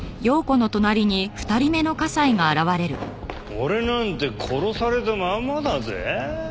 俺なんて殺されたまんまだぜ。